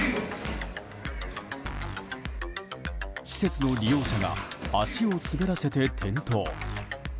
施設の利用者が足を滑らせて転倒。